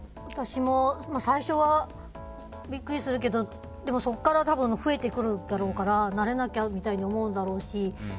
私も、最初はビックリするけどそこから多分増えてくるだろうから慣れなきゃみたいに思うだろうし。